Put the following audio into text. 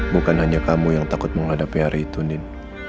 bukan hanya kamu yang takut menghadapi hari itu nin